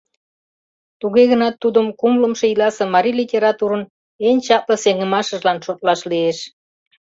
Туге гынат тудым кумлымшо ийласе марий литературын эн чапле сеҥымашыжлан шотлаш лиеш.